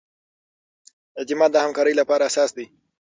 اعتماد د همکارۍ لپاره اساس دی.